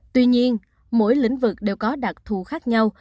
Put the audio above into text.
tuy nhiên mỗi lĩnh vực đều có đặc thù khác nhau